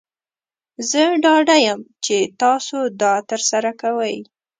زه ډاډه یم چې تاسو دا ترسره کوئ.